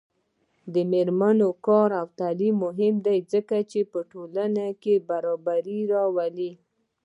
د میرمنو کار او تعلیم مهم دی ځکه چې ټولنې برابري راولي.